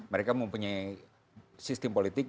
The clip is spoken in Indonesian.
mereka mempunyai sistem politik